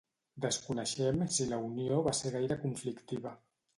Desconeixem si la unió va ser gaire conflictiva.